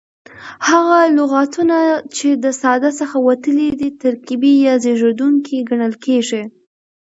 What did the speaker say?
هغه لغتونه، چي د ساده څخه وتلي دي ترکیبي یا زېږېدونکي کڼل کیږي.